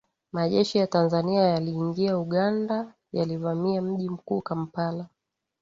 Majeshi ya Tanzania yaliingia Uganda yaliivamia mji mkuu kampala